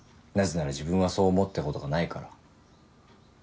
なぜなら自分はそう思ったことがないから。